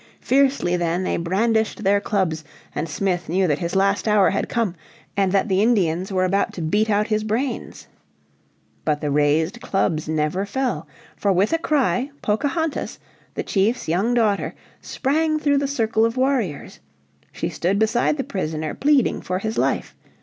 Fiercely then they brandished their clubs and Smith knew that his last hour had come, and that the Indians were about to beat out his brains. But the raised clubs never fell, for with a cry Pocahontas, the chief's young daughter, sprang through the circle of warriors. She stood beside the prisoner pleading for his life.